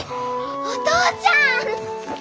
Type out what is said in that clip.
お父ちゃん！